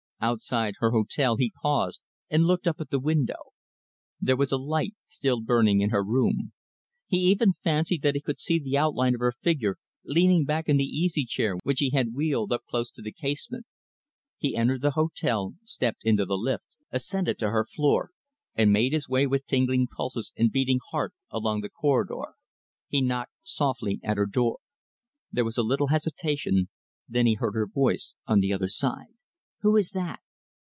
Outside her hotel he paused and looked up at the window. There was a light still burning in her room. He even fancied that he could see the outline of her figure leaning back in the easy chair which he had wheeled up close to the casement. He entered the hotel, stepped into the lift, ascended to her floor, and made his way with tingling pulses and beating heart along the corridor. He knocked softly at her door. There was a little hesitation, then he heard her voice on the other side. "Who is that?"